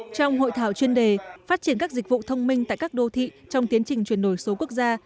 trong hội thảo chuyên đề phát triển các dịch vụ thông minh tại các đô thị trong tiến trình chuyển đổi số quốc gia